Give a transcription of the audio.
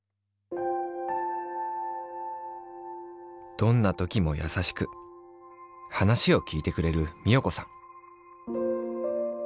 どんなときもやさしくはなしをきいてくれる美代子さん。